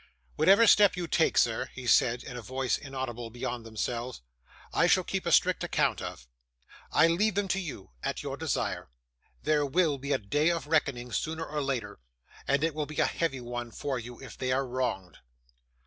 'Whatever step you take, sir,' he said, in a voice inaudible beyond themselves, 'I shall keep a strict account of. I leave them to you, at your desire. There will be a day of reckoning sooner or later, and it will be a heavy one for you if they are wronged.